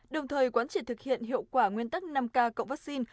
đồng thời quán triệt thực hiện hiệu quả nguyên tắc năm k cộng vaccine